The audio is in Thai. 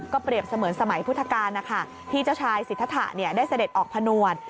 ก็เปรียบเสมือนสมัยพุทธกาลนะคะที่เจ้าชายศิษฐฐะเนี่ยได้เสด็จออกพาหนวด